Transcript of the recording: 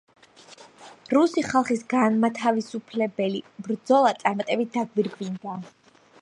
რუსი ხალხის განმანთავისუფლებელი ბრძოლა წარმატებით დაგვირგვინდა.